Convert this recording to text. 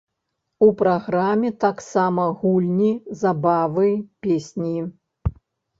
У праграме таксама гульні, забавы, песні.